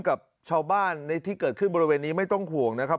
กับชาวบ้านในที่เกิดขึ้นบริเวณนี้ไม่ต้องห่วงนะครับ